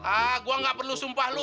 ah gue nggak perlu sumpah lo